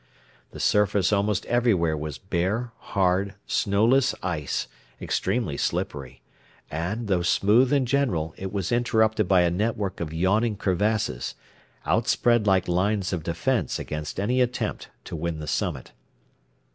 The surface almost everywhere was bare, hard, snowless ice, extremely slippery; and, though smooth in general, it was interrupted by a network of yawning crevasses, outspread like lines of defense against any attempt to win the summit.